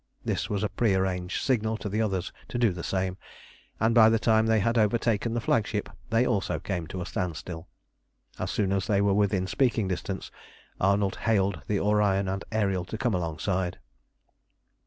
This was a prearranged signal to the others to do the same, and by the time they had overtaken the flagship they also came to a standstill. As soon as they were within speaking distance Arnold hailed the Orion and the Ariel to come alongside.